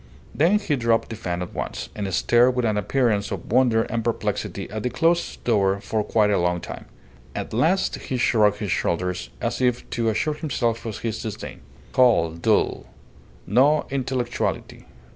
Then he dropped the fan at once, and stared with an appearance of wonder and perplexity at the closed door for quite a long time. At last he shrugged his shoulders as if to assure himself of his disdain. Cold, dull. No intellectuality.